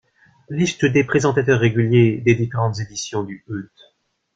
Liste des présentateurs réguliers, des différentes éditions du heute.